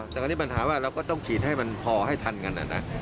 แต่อันนี้ปัญหาว่าเราก็ต้องฉีดให้มันพอให้ทันกันนะ